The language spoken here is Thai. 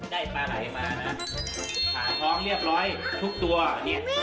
ปลาไหลมานะผ่าท้องเรียบร้อยทุกตัวเนี่ย